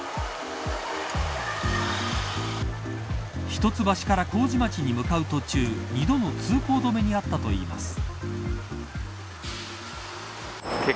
一ツ橋から麹町に向かう途中２度の通行止めにあったといいます。